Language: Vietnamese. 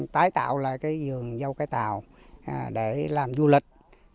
tái tạo lại cái vườn dâu cái tàu để làm du lịch